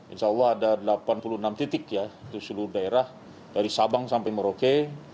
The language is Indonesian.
insya allah ada delapan puluh enam titik ya di seluruh daerah dari sabang sampai merauke